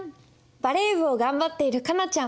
バレー部を頑張ってるカナちゃん。